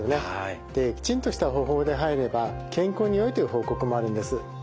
きちんとした方法で入れば健康によいという報告もあるんです。